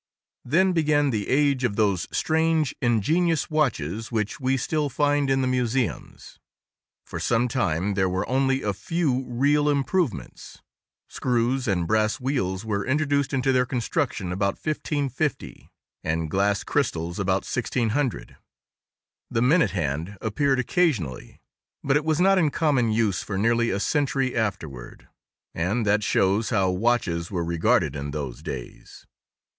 Then began the age of those strange, ingenious watches which we still find in the museums. For some time, there were only a few real improvements. Screws and brass wheels were introduced into their construction about 1550, and glass crystals about 1600. The minute hand appeared occasionally; but it was not in common use for nearly a century afterward. And that shows how watches were regarded in those days.